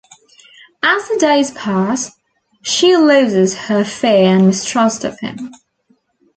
As the days pass, she loses her fear and mistrust of him.